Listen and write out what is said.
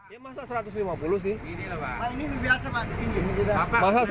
ya tapi masa rp satu ratus lima puluh sih